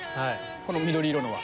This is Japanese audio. この緑色のは？